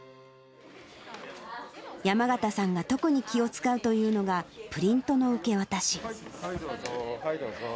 山形さんが特に気を遣うというのが、プリントの受け渡し。